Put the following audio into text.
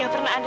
gak pernah ada